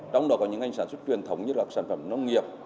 trong đó có những ngành sản xuất truyền thống như các sản phẩm nông nghiệp